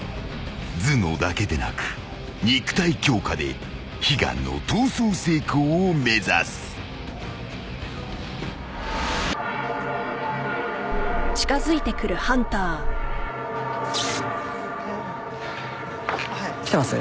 ［頭脳だけでなく肉体強化で悲願の逃走成功を目指す］来てます？